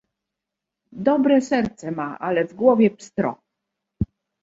"Dobre serce ma, ale w głowie pstro..."